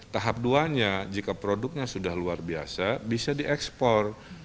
tahap duanya jika produknya sudah luar biasa bisa diekspor